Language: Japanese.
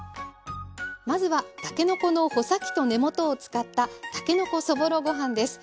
まずはたけのこの穂先と根元を使ったたけのこそぼろご飯です。